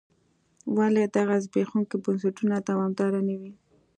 ولې دغه زبېښونکي بنسټونه دوامداره نه وي.